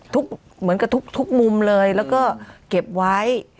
เหมือนกับทุกมุมเลยแล้วก็เก็บไว้